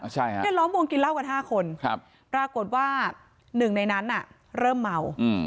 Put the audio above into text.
ใช่ครับแล้วล้อมวงกินเหล้ากันห้าคนครับปรากฏว่าหนึ่งในนั้นน่ะเริ่มเมา